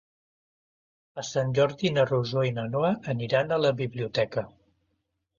Per Sant Jordi na Rosó i na Noa aniran a la biblioteca.